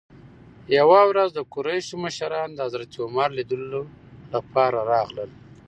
یوې ورځ د قریشو مشران د حضرت عمر لیدلو لپاره راغلل.